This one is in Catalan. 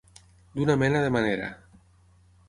D'una mena de manera.